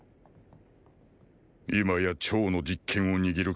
今や趙の実権を握る郭